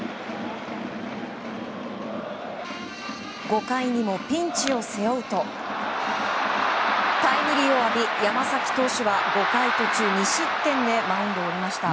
５回にもピンチを背負うとタイムリーを浴び山崎投手は５回途中２失点でマウンドを降りました。